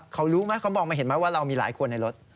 เขามองมาเห็นไหมว่าเรามีหลายคนในรถ